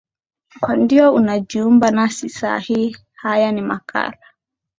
kama ndio unajiunga nasi saa hii haya ni makala